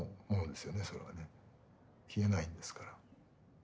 消えないんですから。